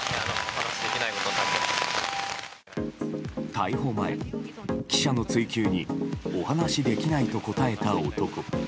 逮捕前、記者の追及にお話しできないと答えた男。